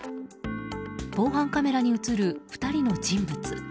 防犯カメラに映る２人の人物。